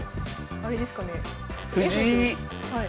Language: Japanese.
あれですかね？